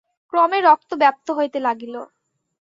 ক্রমে রক্ত ব্যাপ্ত হইতে লাগিল।